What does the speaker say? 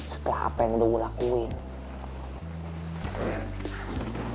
setelah apa yang udah gue lakuin